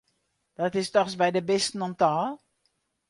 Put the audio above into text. Dat is dochs by de bisten om't ôf!